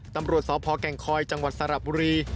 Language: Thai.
ตำรวจสพแก่งคอยจังหวัดสระบุรี